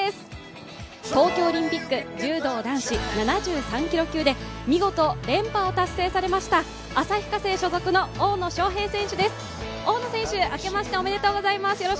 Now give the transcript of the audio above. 東京オリンピック柔道男子７３ｋｇ級で見事、連覇を達成されました旭化成所属の大野将平選手です。